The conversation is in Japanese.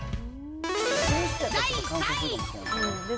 第３位。